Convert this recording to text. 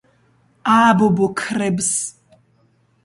ააბობოქრებს